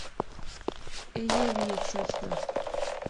ایہہ وی ہیک سچ دا